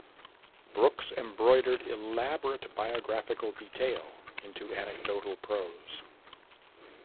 Brooks embroidered elaborate biographical detail into anecdotal prose.